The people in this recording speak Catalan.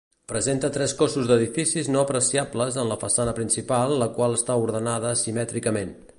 Presenta tres cossos d'edificis no apreciables en la façana principal la qual està ordenada simètricament.